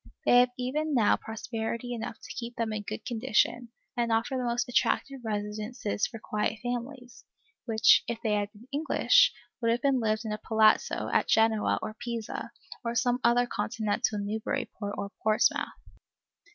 They have even now prosperity enough to keep them in good condition, and offer the most attractive residences for quiet families, which, if they had been English, would have lived in a palazzo at Genoa or Pisa, or some other Continental Newburyport or Portsmouth.